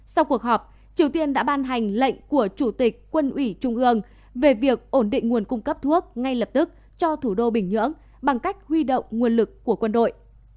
sau cuộc họp triều tiên đã ban hành lệnh của chủ tịch quân ủy trung ương về việc ổn định nguồn cung cấp thuốc ngay lập tức cho thủ đô bình nhưỡng bằng cách huy động nguồn lực của quân đội